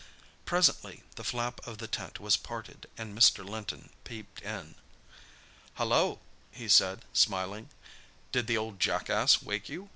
Presently the flap of the tent was parted and Mr. Linton peeped in. "Hallo!" he said, smiling, "did the old jackass wake you?